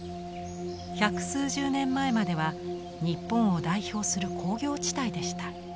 百数十年前までは日本を代表する工業地帯でした。